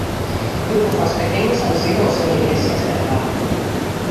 Grupos más pequeños han sido o son iglesias de la paz.